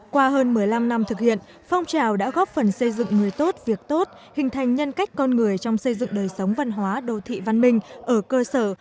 qua hơn một mươi năm năm thực hiện phong trào đã góp phần xây dựng người tốt việc tốt hình thành nhân cách con người trong xây dựng đời sống văn hóa đô thị văn minh ở cơ sở